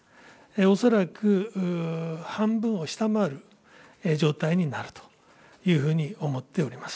恐らく半分を下回る状態になるというふうに思っております。